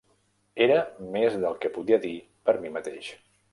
Era més del que podia dir per mi mateix.